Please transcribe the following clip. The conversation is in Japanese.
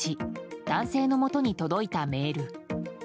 男性のもとに届いたメール。